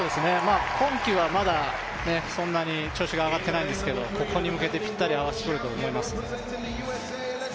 今季は、そんなに調子が上がってないんですがここに向けてぴったり合わせてくると思います。